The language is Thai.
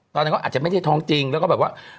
ตอนนั้นก็อาจจะไม่ได้ท้องจริงแล้วก็แบบว่า